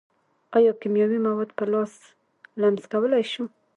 ایا کیمیاوي مواد په لاس لمس کولی شو.